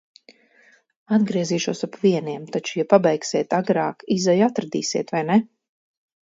Atgriezīšos ap vieniem, taču, ja pabeigsiet agrāk, izeju atradīsiet, vai ne?